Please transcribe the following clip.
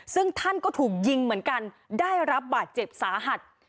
ซึ่งท่านก็ถูกยิงเหมือนกันได้รับบาดเจ็บสาหัส